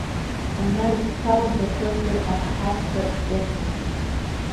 Анаҩс дҭалоит Баҭымтәи ахәҳахәҭратә техникум.